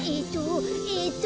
えっと